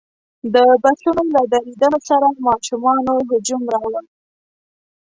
د بسونو له درېدلو سره ماشومانو هجوم راوړ.